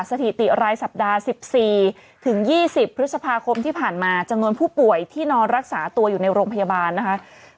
สถิติรายสัปดาห์๑๔ถึง๒๐พฤษภาคมที่ผ่านมาจำนวนผู้ป่วยที่นอนรักษาตัวอยู่ในโรงพยาบาลนะคะ